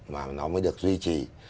mà nó mới được duy trì